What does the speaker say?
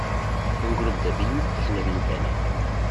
Un grup de vint és una vintena.